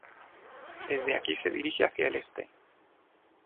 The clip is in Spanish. Desde aquí se dirige hacia el este.